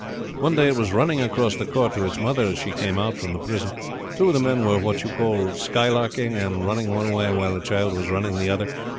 "One day it was running across the court to its mother as she came out from the prison. Two of the men were what you call skylarking, and running one way while the child was running the other.